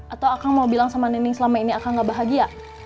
atau akang mau bilang sama nining selama ini akan gak bahagia